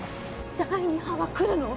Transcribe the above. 第二波は来るの？